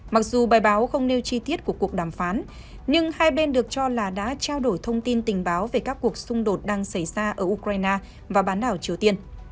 mặc dù bài báo không nêu chi tiết của cuộc đàm phán nhưng hai bên được cho là đã trao đổi thông tin tình báo về các cuộc xung đột đang xảy ra ở ukraine và bán đảo triều tiên